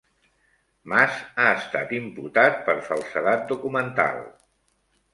Mas ha estat imputat per falsedat documental